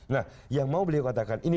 nah yang mau beliau katakan ini